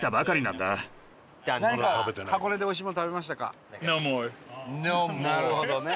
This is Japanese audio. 伊達：なるほどね。